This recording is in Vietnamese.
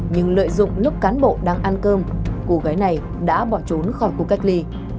nhưng lợi dụng lúc cán bộ đang ăn cơm cô gái này đã bỏ trốn khỏi khu cách ly